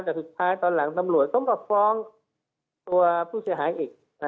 แต่สุดท้ายตอนหลังตำรวจต้องมาฟ้องตัวผู้เสียหายอีก